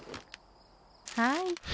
はい。